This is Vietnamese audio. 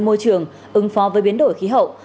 môi trường ứng phó với biến đổi khí hậu